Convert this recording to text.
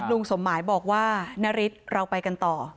ลุงสมหมายบอกว่านาริสเราไปกันต่อ